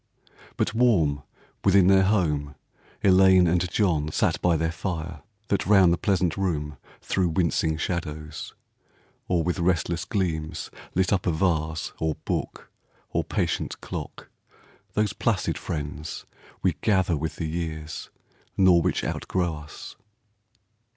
But warm within their home Elaine and John Sat by their fire, that round the pleasant room Threw wincing shadows, or with restless gleams Lit up a vase or book or patient clock, Those placid friends we gather with the years. Nor which outgrow us.